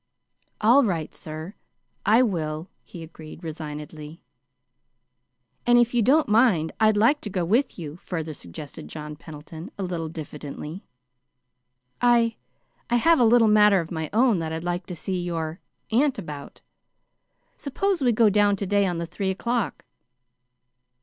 "All right, sir, I will." he agreed resignedly. "And if you don't mind, I'd like to go with you," further suggested John Pendleton, a little diffidently. "I I have a little matter of my own that I'd like to see your aunt about. Suppose we go down today on the three o'clock?"